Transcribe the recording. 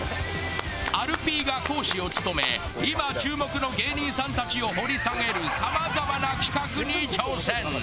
アルピーが講師を務め今注目の芸人さんたちを掘り下げるさまざまな企画に挑戦。